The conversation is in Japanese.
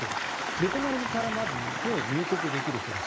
ベトナムからまず日本へ入国できる人です。